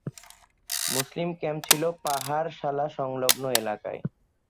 মুসলিম camp ছিল পাহাড় সালা সংলগ্ন এলাকায়।